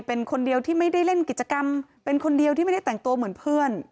เป็นคนเดียวที่ไม่ได้เล่นกิจกรรมเป็นคนเดียวที่ไม่ได้แต่งตัวเหมือนเพื่อน